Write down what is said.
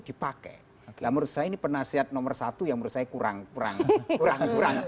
dipakai yang merasa ini penasihat nomor satu yang berusai kurang kurang kurang kurang kurang